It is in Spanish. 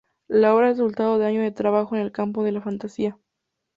La obra es resultado de años de trabajo en el campo de la fantasía.